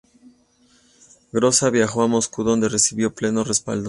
Groza viajó a Moscú donde recibió pleno respaldo.